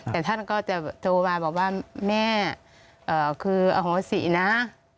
แต่ท่านก็จะโทรมาบอกว่าแม่คืออโหสินะ